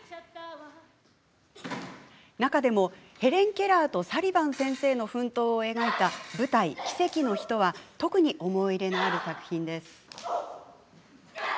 中でも、ヘレン・ケラーとサリヴァン先生の奮闘を描いた舞台「奇跡の人」は特に思い入れのある作品です。